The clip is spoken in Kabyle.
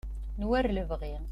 n war lebɣi